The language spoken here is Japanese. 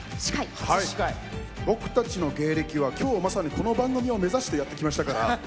僕たちの芸歴は今日まさにこの番組を目指してやってきましたから。